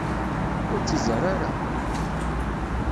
Ur tt-izerreε ara!